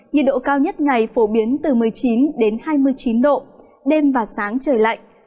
nhiệt độ cao nhất ngày phổ biến từ một mươi chín đến hai mươi chín độ đêm và sáng trời lạnh